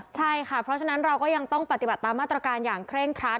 ใช่ค่ะเพราะฉะนั้นเราก็ยังต้องปฏิบัติตามมาตรการอย่างเคร่งครัด